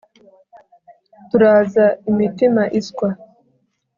Turaza imitima iswa